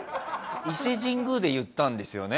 伊勢神宮で言ったんですよね？